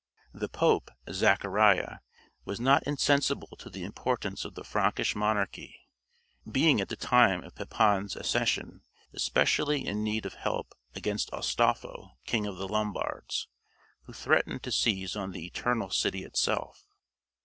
The Pope, Zachariah, was not insensible to the importance of the Frankish monarchy, being at the time of Pepin's accession especially in need of help against Astolpho, king of the Lombards, who threatened to seize on the Eternal City itself.